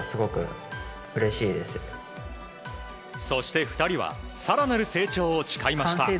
そして、２人は更なる成長を誓いました。